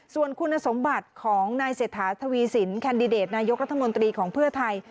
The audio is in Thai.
ส่วนคุณสมบัติของนายเศรษฐาทวีสินแคนดิเดตนายกรัฐมนตรีของเพื่อไทย